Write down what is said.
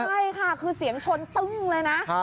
ใช่ค่ะคือเสียงชนตึ้งเลยนะ